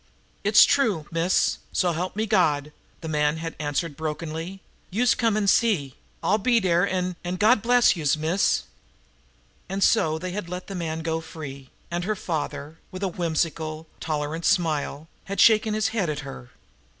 "It's true, miss, so help me God!" the man had answered brokenly. "Youse come an' see. I'll be dere an' an' God bless youse, miss!" And so they had let the man go free, and her father, with a whimsical, tolerant smile, had shaken his head at her.